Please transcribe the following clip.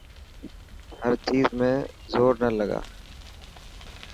هر چيز ۾ زور نا لگا.